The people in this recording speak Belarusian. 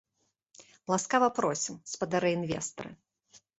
Ласкава просім, спадары інвестары!